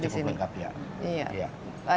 fasilitasnya cukup lengkap ya